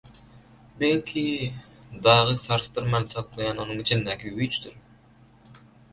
Belki, dagy sarsdyrman saklaýan onuň içindäki güýçdür?